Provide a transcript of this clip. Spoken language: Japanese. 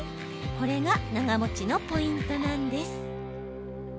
これが長もちのポイントなんです。